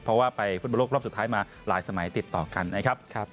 เพราะว่าไปฟุตบอลโลกรอบสุดท้ายมาหลายสมัยติดต่อกันนะครับ